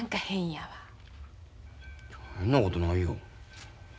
変なことないよ。